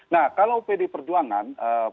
nah kalau pd perjuangan